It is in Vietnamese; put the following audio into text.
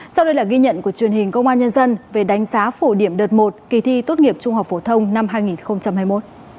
sau đây là ghi nhận của truyền hình công an nhân dân về đánh giá phổ điểm đợt một kỳ thi tốt nghiệp trung học phổ thông năm hai nghìn hai mươi một